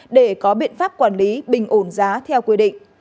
để có biện pháp quản lý bình ổn giá theo quy định